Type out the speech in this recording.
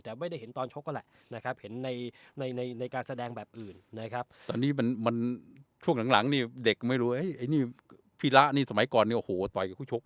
แต่ไม่ได้เห็นตอนโชคก็ละเห็นในการแสดงแบบอื่นช่วงหลังเด็กก็ไม่รู้พิระสมัยก่อนโดยโตะให้กับผู้ชก